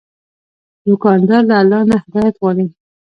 دوکاندار له الله نه هدایت غواړي.